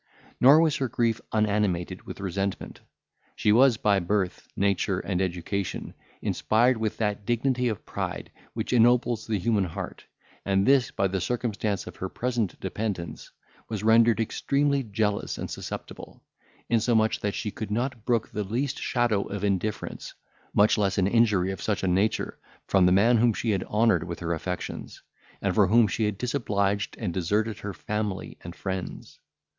Nor was her grief unanimated with resentment. She was by birth, nature, and education inspired with that dignity of pride which ennobles the human heart; and this, by the circumstance of her present dependence, was rendered extremely jealous and susceptible; insomuch that she could not brook the least shadow of indifference, much less an injury of such a nature, from the man whom she had honoured with her affections, and for whom she had disobliged and deserted her family and friends.